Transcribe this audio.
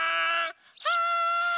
はい！